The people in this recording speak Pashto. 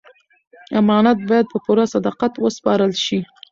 امانت باید په پوره صداقت وسپارل شي.